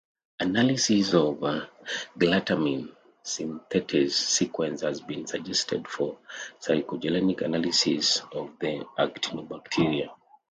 Analysis of glutamine synthetase sequence has been suggested for phylogenetic analysis of the Actinobacteria.